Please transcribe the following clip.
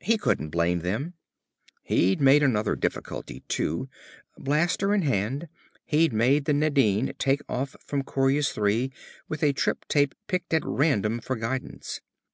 He couldn't blame them. He'd made another difficulty, too. Blaster in hand, he'd made the Nadine take off from Coryus III with a trip tape picked at random for guidance.